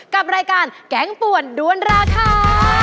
กับรายการแกงป่วนด้วนราคา